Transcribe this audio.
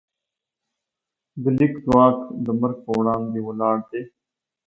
د لیک ځواک د مرګ پر وړاندې ولاړ دی.